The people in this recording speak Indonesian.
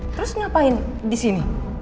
terus ngapain disini